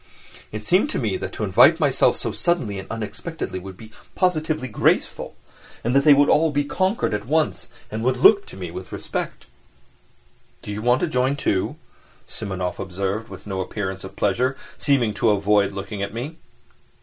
It seemed to me that to invite myself so suddenly and unexpectedly would be positively graceful, and that they would all be conquered at once and would look at me with respect. "Do you want to join, too?" Simonov observed, with no appearance of pleasure, seeming to avoid looking at me.